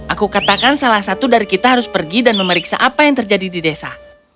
aku katakan salah satu dari kita harus pergi dan memeriksa apa yang terjadi di desa